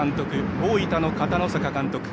大分の片野坂監督。